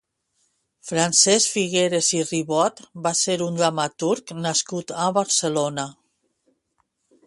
Francesc Figueras i Ribot va ser un dramaturg nascut a Barcelona.